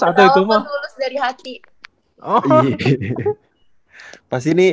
ketawa penulus dari hati